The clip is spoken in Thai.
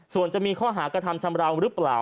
ส่วนจะมีข้อหากระทำชำราวหรือเปล่า